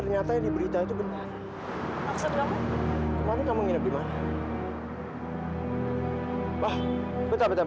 dia nggak percaya sama evita